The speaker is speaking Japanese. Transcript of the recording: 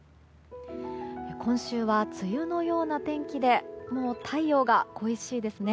今週は梅雨のような天気でもう太陽が恋しいですね。